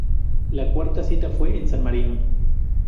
La cuarta cita fue en San Marino.